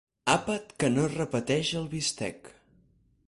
Àpat que no repeteix el bistec.